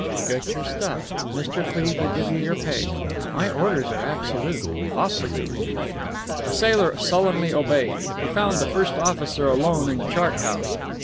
"Get your stuff! Mr. Cleve will give you your pay. My orders are absolute. Off with you!" The sailor sullenly obeyed. He found the first officer alone in the chart house.